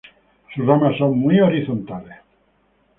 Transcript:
Sus ramas son muy horizontales.